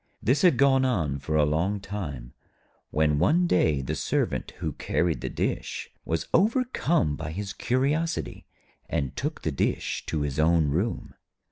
This had gone on for a long time, when one day the Servant who carried the dish was overcome by his curiosity, and took the dish to his own room.